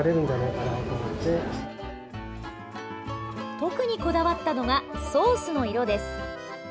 特にこだわったのがソースの色です。